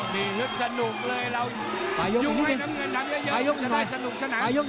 ดีหรือสนุกเลยเรายุ่งให้น้ำเยอะจะได้สนุกสนับ